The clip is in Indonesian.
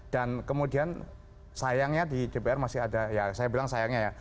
dan kemudian sayangnya di jpr masih ada ya saya bilang sayangnya ya